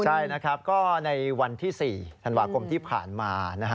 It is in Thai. ใช่นะครับก็ในวันที่อศที่ผ่านมา